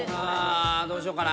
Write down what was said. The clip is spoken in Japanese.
どうしようかな。